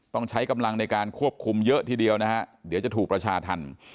ต้องใช้กำลังในการควบคุมเยอะทีเดียวนะฮะเดี๋ยวจะถูกประชาธรรม